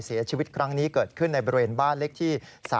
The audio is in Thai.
เสียชีวิตครั้งนี้เกิดขึ้นในบริเวณบ้านเลขที่๓